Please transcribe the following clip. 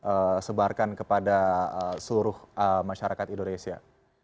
atau bisa disebarkan kepada seluruh masyarakat indonesia